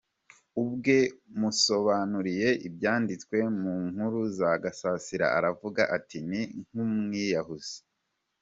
Ubwe musobanuriye ibyanditswe mu nkuru za Gasasira, aravuga ati ni nk’umwiyahuzi.